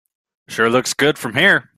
It sure looks good from here.